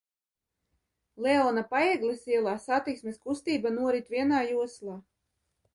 Leona Paegles ielā satiksmes kustība norit vienā joslā.